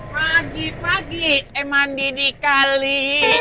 pagi pagi emang mandi dikali